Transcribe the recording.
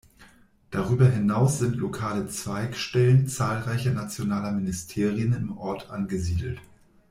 Darüber hinaus sind lokale Zweigstellen zahlreicher nationaler Ministerien im Ort angesiedelt.